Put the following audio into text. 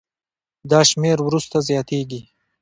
دا شمېر وروسته زیاتېږي.